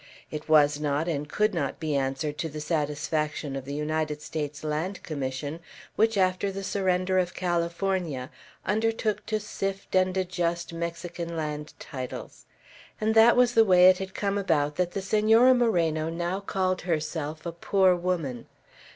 It was not and could not be answered to the satisfaction of the United States Land Commission, which, after the surrender of California, undertook to sift and adjust Mexican land titles; and that was the way it had come about that the Senora Moreno now called herself a poor woman.